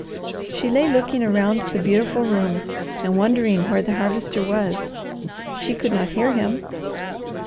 She lay looking around the beautiful room and wondering where the Harvester was. She could not hear him.